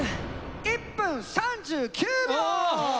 １分３９秒！